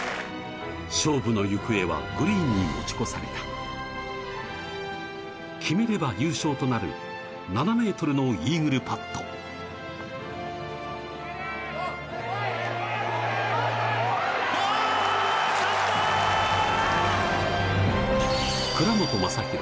勝負の行方はグリーンに持ち越された決めれば優勝となる７ｍのイーグルパット倉本昌弘